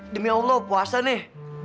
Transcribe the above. demi allah puasa nih